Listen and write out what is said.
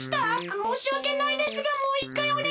もうしわけないですがもういっかいおねがいします。